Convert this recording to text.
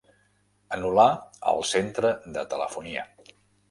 Anul·lar el centre de telefonia.